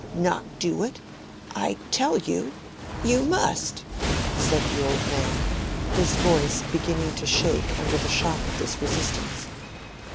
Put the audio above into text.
"Not do it? I tell you, you must," said the old man, his voice beginning to shake under the shock of this resistance.